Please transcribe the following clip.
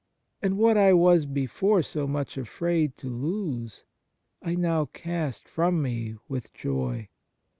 And what I was befo e so much afraid to lose I now ca t from me with joy.